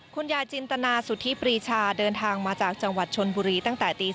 คุณยายจินตนาสุธิปรีชาเดินทางมาจากจังหวัดชนบุรีตั้งแต่ตี๓